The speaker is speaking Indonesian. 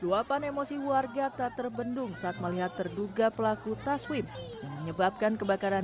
luapan emosi warga tak terbendung saat melihat terduga pelaku taswim yang menyebabkan kebakaran